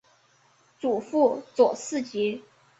祖父左世杰。